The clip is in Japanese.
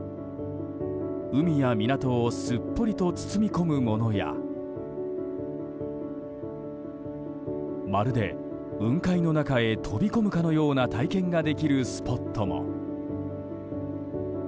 海や港をすっぽりと包み込むものやまるで雲海の中へ飛び込むかのような体験ができるスポットも。